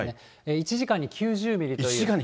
１時間に９０ミリという。